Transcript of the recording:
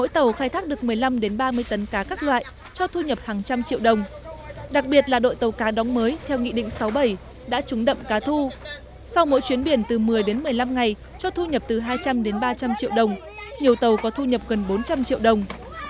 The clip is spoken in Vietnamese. tàu khai thác được một mươi năm ba mươi tấn cá các loại cho thu nhập hàng trăm triệu đồng đặc biệt là đội tàu cá đóng mới theo nghị định sáu bảy đã trúng đậm cá thu sau mỗi chuyến biển từ một mươi đến một mươi năm ngày cho thu nhập từ hai trăm linh đến ba trăm linh triệu đồng nhiều tàu có thu nhập gần bốn trăm linh triệu đồng